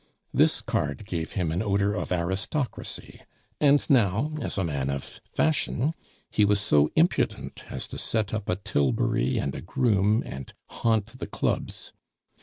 This card gave him an odor of aristocracy; and now, as a man of fashion, he was so impudent as to set up a tilbury and a groom and haunt the clubs.